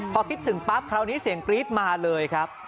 พอคิดถึงปั๊บคราวนี้เสียงกรี๊ดมาเลยครับ